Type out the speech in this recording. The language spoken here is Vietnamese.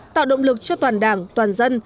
tạo động lực cho toàn đảng toàn dân